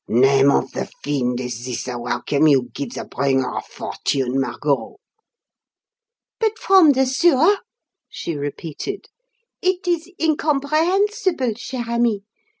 "Name of the fiend! Is this the welcome you give the bringer of fortune, Margot?" "But from the sewer?" she repeated. "It is incomprehensible, cher ami.